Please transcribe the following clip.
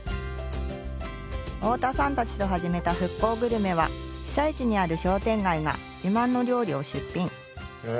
太田さんたちと始めた復興グルメは被災地にある商店街が自慢の料理を出品。